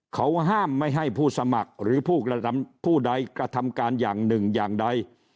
เขาห้ามไม่ให้ผู้สมัครหรือผู้ใดกระทำการอย่างหนึ่งอย่างใด